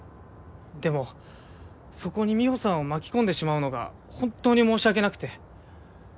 でもそこに美帆さんを巻き込んでしまうのが本当に申し訳なくて。